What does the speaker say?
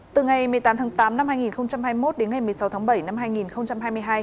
từ ngày một mươi tám tháng tám năm hai nghìn hai mươi một đến ngày một mươi sáu tháng bảy năm hai nghìn hai mươi hai